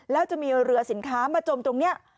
แล้วจะมีเรือสินค้ามาจมตรงนี้